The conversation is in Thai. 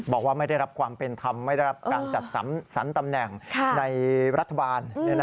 บอกว่าไม่ได้รับความเป็นธรรมไม่ได้รับการจัดสรรตำแหน่งในรัฐบาล